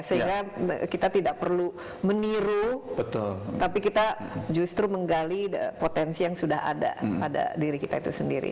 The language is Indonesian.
sehingga kita tidak perlu meniru tapi kita justru menggali potensi yang sudah ada pada diri kita itu sendiri